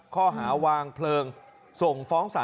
ก่อวางสั